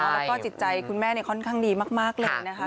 แล้วก็จิตใจคุณแม่ค่อนข้างดีมากเลยนะคะ